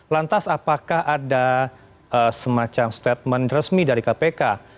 lantas apakah ada semacam statement resmi dari kpk